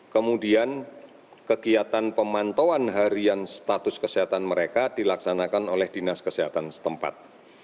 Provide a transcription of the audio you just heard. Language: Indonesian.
kemudian kegiatan pemantauan harian status kesehatan mereka dilaksanakan oleh dinas kesehatan setempat